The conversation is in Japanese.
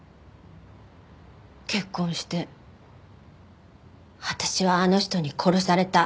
結婚して私はあの人に殺された。